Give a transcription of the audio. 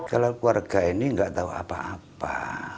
kalau keluarga ini nggak tahu apa apa